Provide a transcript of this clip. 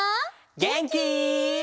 げんき？